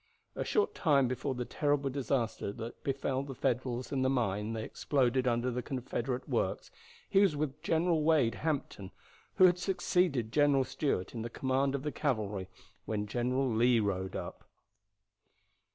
A short time before the terrible disaster that befell the Federals in the mine they exploded under the Confederate works, he was with General Wade Hampton, who had succeeded General Stuart in the command of the cavalry, when General Lee rode up.